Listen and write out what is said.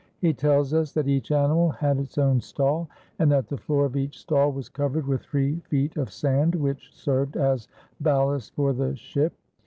He tells us that each animal had its own stall, and that the floor of each stall was covered with three feet of sand, which served as ballast for the ship.